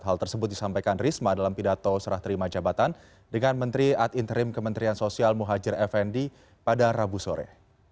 hal tersebut disampaikan risma dalam pidato serah terima jabatan dengan menteri ad interim kementerian sosial muhajir effendi pada rabu sore